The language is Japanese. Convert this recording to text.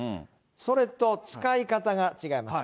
それと使い方が違います。